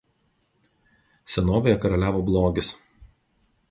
Senovėje karaliavo blogis.